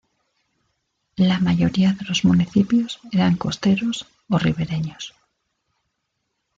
La mayoría de los municipios eran costeros o ribereños.